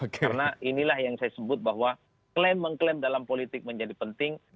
karena inilah yang saya sebut bahwa klaim mengklaim dalam politik menjadi penting